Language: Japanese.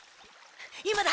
今だ！